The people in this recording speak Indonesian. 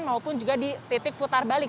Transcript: maupun juga di titik putar balik